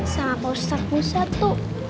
sama pak ustadz musa tuh